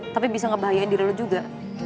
tapi bisa ngebahayain diri juga